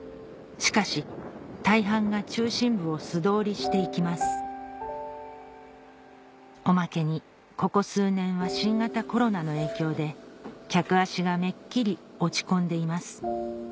しかし大半が中心部を素通りして行きますおまけにここ数年は新型コロナの影響で客足がめっきり落ち込んでいます